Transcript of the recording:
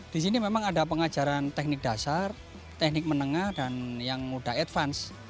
disini memang ada pengajaran teknik dasar teknik menengah dan yang mudah advance